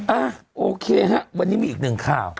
อ่ะโอเคฮะวันนี้มีอีกหนึ่งข่าว